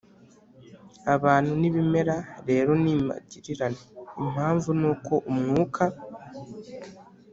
abantu n'ibimera rero ni magirirane. impamvu ni uko umwuka